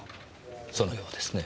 そのようですねぇ。